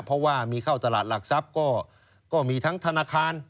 เพราะว่ามีเข้าตลาดหลักทรัพย์ก็มีทั้งธนาคาร